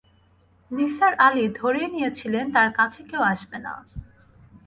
নিসার আলি ধরেই নিয়েছিলেন তাঁর কাছে কেউ আসবে না।